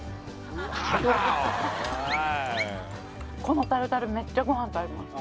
このタルタルめっちゃごはんと合います